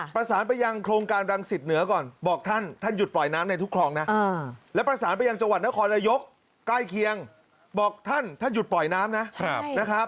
ประสานไปยังโครงการรังสิตเหนือก่อนบอกท่านท่านหยุดปล่อยน้ำในทุกคลองนะแล้วประสานไปยังจังหวัดนครนายกใกล้เคียงบอกท่านท่านหยุดปล่อยน้ำนะนะครับ